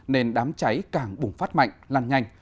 nên đám cháy càng bùng phát mạnh lan nhanh